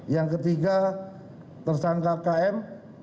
yang ketiga tersangka km